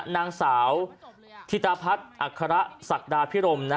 นางสาวธิตภัทรศักดาพิรม